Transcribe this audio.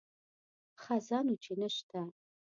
ښه ځه نو چې نه شته.